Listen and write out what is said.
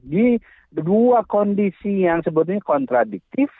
jadi dua kondisi yang sebetulnya kontradiktif